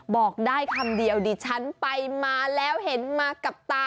บอกได้คำเดียวดิฉันไปมาแล้วเห็นมากับตา